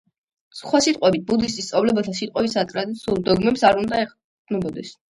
სხვა სიტყვებით, ბუდისტი სწავლებათა სიტყვებსა და ტრადიციულ დოგმებს არ უნდა ეყრდნობოდეს.